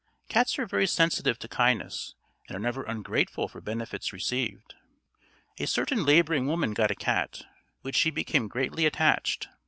Cats are very sensitive to kindness, and are never ungrateful for benefits received. A certain labouring woman got a cat, to which she became greatly attached.